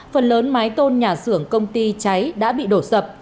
phần lớn mái tôn nhà xưởng công ty cháy đã bị đổ sập